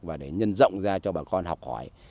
và để nhân rộng ra cho bà con học hỏi